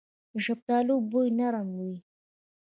د شفتالو بوی نرم وي.